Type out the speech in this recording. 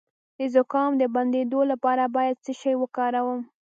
د زکام د بندیدو لپاره باید څه شی وکاروم؟